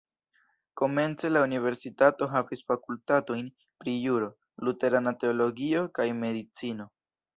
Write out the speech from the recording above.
Komence la universitato havis fakultatojn pri juro, luterana teologio kaj medicino.